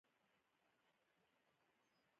نباتات د ځمکې ښکلا ده